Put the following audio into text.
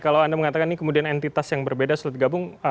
kalau anda mengatakan ini kemudian entitas yang berbeda sulit digabung